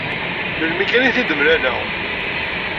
Melmi kan i ten-id-mlaleɣ.